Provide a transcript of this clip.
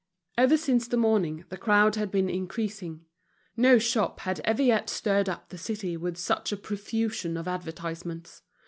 Ever since the morning the crowd had been increasing. No shop had ever yet stirred up the city with such a profusion of advertisements.